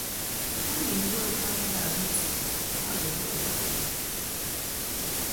Mɨ ni ŋgə ma nda mɨtin ma ghəghəʼ ŋgab.